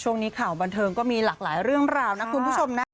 ข่าวบันเทิงก็มีหลากหลายเรื่องราวนะคุณผู้ชมนะ